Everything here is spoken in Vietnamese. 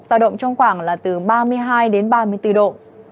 ra động trong khoảng là từ ba mươi hai ba mươi bốn độ